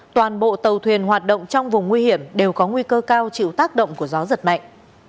toàn bộ tàu thuyền hoạt động trong vùng nguy hiểm đều có nguy cơ cao chịu tác động của gió giật mạnh